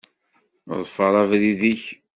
Ḍfeṛ abrid-ik.